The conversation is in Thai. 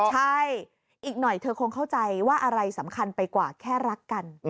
ใช่อีกหน่อยเธอคงเข้าใจว่าอะไรสำคัญไปกว่าแค่รักกัน